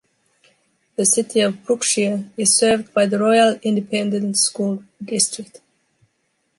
The City of Brookshire is served by the Royal Independent School District.